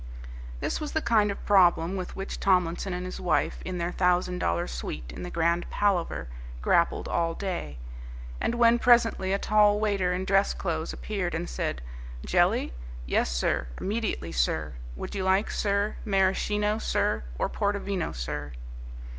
This was the kind of problem with which Tomlinson and his wife, in their thousand dollar suite in the Grand Palaver, grappled all day. And when presently a tall waiter in dress clothes appeared, and said, "Jelly? Yes, sir, immediately, sir; would you like, sir, Maraschino, sir, or Portovino, sir?"